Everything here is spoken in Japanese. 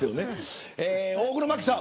大黒摩季さん。